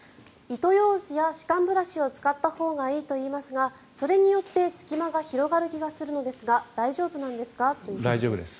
糸ようじや歯間ブラシを使ったほうがよいといいますがそれによって隙間が広がる気がするのですが大丈夫なんですか？ということです。